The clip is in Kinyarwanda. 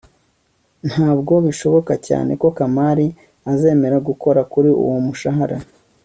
ntabwo bishoboka cyane ko kamali azemera gukora kuri uwo mushahara